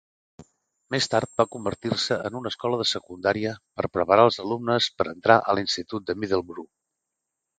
Més tard va convertir-se en una escola de secundària per preparar els alumnes per entrar a l'institut de Middleborough.